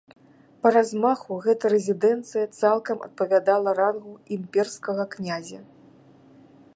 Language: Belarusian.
Па размаху гэта рэзідэнцыя цалкам адпавядала рангу імперскага князя.